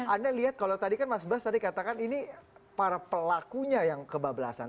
anda lihat kalau tadi kan mas bas tadi katakan ini para pelakunya yang kebablasan